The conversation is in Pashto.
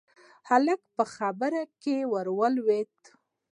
هلک په خبره کې ور ولوېد: